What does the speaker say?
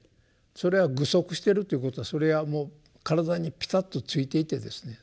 それは具足してるということはそれはもう体にピタッとついていてですね